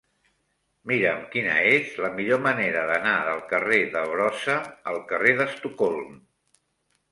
Mira'm quina és la millor manera d'anar del carrer de Brossa al carrer d'Estocolm.